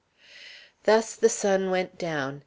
Thus the sun went down.